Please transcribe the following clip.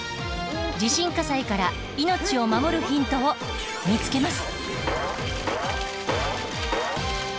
地震火災から命を守るヒントを見つけます！